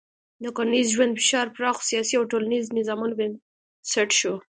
د کرنیز ژوند فشار پراخو سیاسي او ټولنیزو نظامونو بنسټ شو.